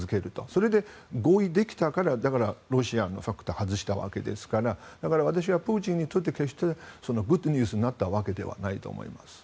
それで合意ができたからロシアのファクターを外したわけですから私はプーチンにとって決してグッドニュースになったわけではないと思います。